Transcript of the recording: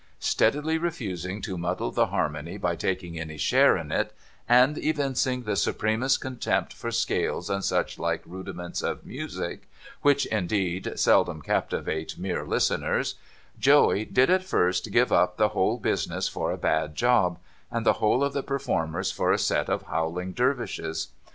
Steadily refusing to muddle the harmony by taking any share in it, and evincing the supremest contempt for scales and such like rudiments of music — which, indeed, seldom captivate mere listeners ■— Joey did at first give up the whole business for a bad job, and the whole of the performers for a set of howhng Dervishes.